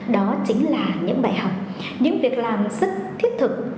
đó chính là những bài học những việc làm rất thiết thực